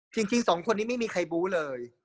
จริงสองคนนี้ไม่มีใครบู้เลย